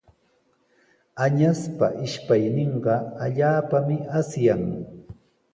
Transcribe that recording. Añaspa ishpayninqa allaapami asyan.